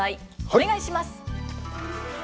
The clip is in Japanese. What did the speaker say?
お願いします。